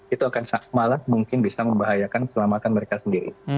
itu akan malah mungkin bisa membahayakan keselamatan mereka sendiri